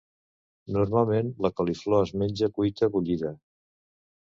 Normalment la coliflor es menja cuita bullida.